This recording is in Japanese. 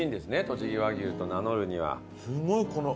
とちぎ和牛と名乗るには。